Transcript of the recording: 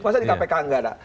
masa di kpk nggak ada